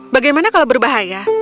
bagaimana kalau berbahaya